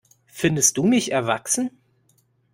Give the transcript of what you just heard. Findest du mich erwachsen?